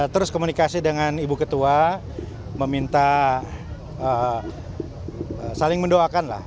terus komunikasi dengan ibu ketua meminta saling mendoakan lah